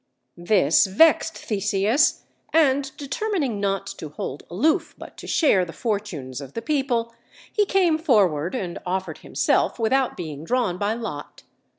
This vexed Theseus, and determining not to hold aloof, but to share the fortunes of the people, he came forward and offered himself without being drawn by lot.